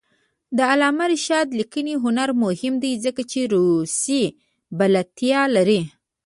د علامه رشاد لیکنی هنر مهم دی ځکه چې روسي بلدتیا لري.